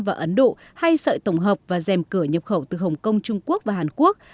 và ấn độ hay sợi tổng hợp và dèm cửa nhập khẩu từ hồng kông trung quốc và hàn quốc